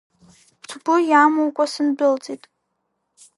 Сгәы иамукәа сындәылҵит.